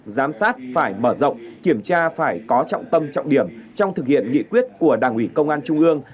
giám sát phải mở rộng kiểm tra phải có trọng tâm trọng điểm trong thực hiện nghị quyết của đảng ủy công an trung ương